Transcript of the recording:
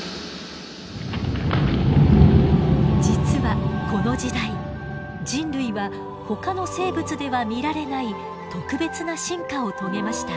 実はこの時代人類はほかの生物では見られない特別な進化を遂げました。